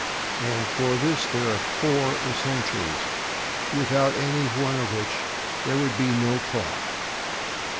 And for this there are four essentials, without any one of which there would be no clock.